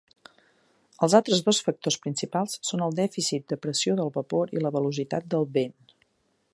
Els altres dos factors principals són el dèficit de pressió del vapor i la velocitat del vent.